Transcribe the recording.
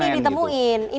di hari senin gitu